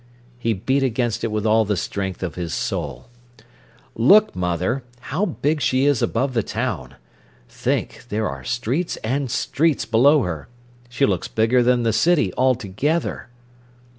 He beat against it with all the strength of his soul. "Look, mother, how big she is above the town! Think, there are streets and streets below her! She looks bigger than the city altogether."